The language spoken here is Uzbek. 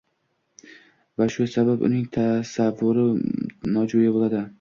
va shu sabab uning tasarrufi nojo‘ya bo‘ladi.